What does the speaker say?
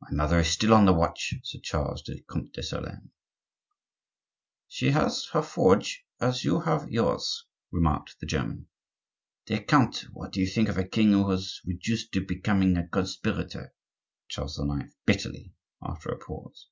"My mother is still on the watch," said Charles to the Comte de Solern. "She has her forge as you have yours," remarked the German. "Dear count, what do you think of a king who is reduced to become a conspirator?" said Charles IX., bitterly, after a pause.